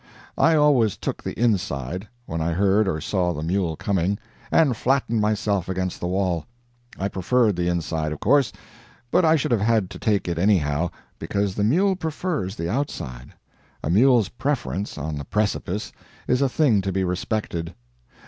I always took the inside, when I heard or saw the mule coming, and flattened myself against the wall. I preferred the inside, of course, but I should have had to take it anyhow, because the mule prefers the outside. A mule's preference on a precipice is a thing to be respected.